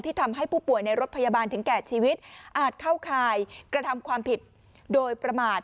ทำให้ผู้ป่วยในรถพยาบาลถึงแก่ชีวิตอาจเข้าข่ายกระทำความผิดโดยประมาท